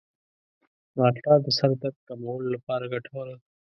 مالټه د سر درد کمولو لپاره ګټوره ده.